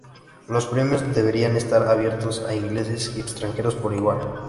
Los premios deberían estar abiertos a ingleses y extranjeros por igual.